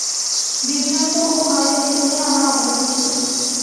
বিভ্রান্ত ও ভয়চকিত হয়ে আমরা অপরের ক্ষতি করি।